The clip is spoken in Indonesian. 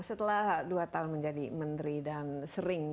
setelah dua tahun menjadi menteri dan sering